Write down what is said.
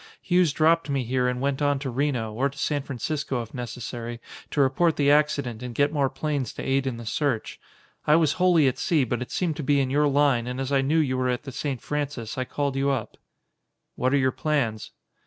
Hughes dropped me here and went on to Reno, or to San Francisco if necessary, to report the accident and get more planes to aid in the search. I was wholly at sea, but it seemed to be in your line and as I knew that you were at the St. Francis, I called you up." "What are your plans?"